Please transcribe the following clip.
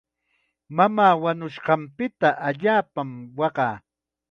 Mamaa wañunqanpita allaapam waqaa.